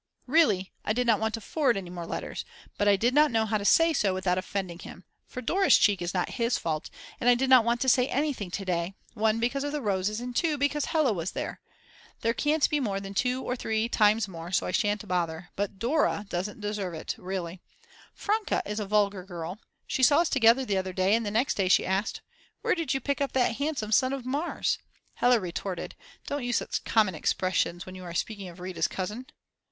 Really I did not want to forward any more letters but I did not know how to say so without offending him, for Dora's cheek is not his fault, and I did not want to say anything to day, 1 because of the roses, and 2 because Hella was there. There can't be more than 2 or 3 times more, so I shan't bother. But Dora doesn't deserve it, really. Franke is a vulgar girl. She saw us together the other day, and the next day she asked: Where did you pick up that handsome son of Mars? Hella retorted: "Don't use such common expressions when you are speaking of Rita's cousin."